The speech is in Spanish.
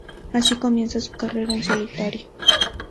Así comienza su carrera en solitario.